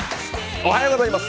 おはようございます。